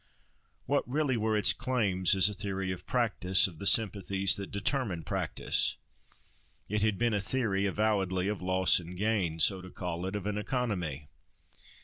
What really were its claims as a theory of practice, of the sympathies that determine practice? It had been a theory, avowedly, of loss and gain (so to call it) of an economy.